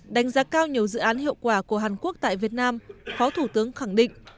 đánh giá cao nhiều dự án hiệu quả của hàn quốc tại việt nam phó thủ tướng khẳng định